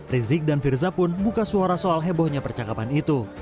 rizik dan firza pun buka suara soal hebohnya percakapan itu